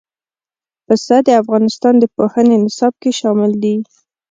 پسه د افغانستان د پوهنې نصاب کې شامل دي.